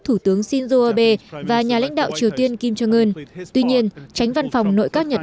thủ tướng shinzo abe và nhà lãnh đạo triều tiên kim jong un tuy nhiên tránh văn phòng nội các nhật